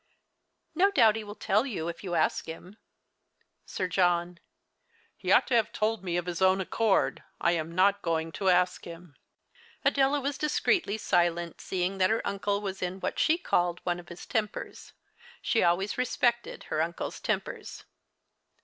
No doubt he will tell you, if you ask him. Sir John. He ought to have told me of his own accord. I am not going to ask him. Adela was discreetly silent, seeing that her uncle was in what she called one of his tempers. She ahvays respected her uncle's tempers.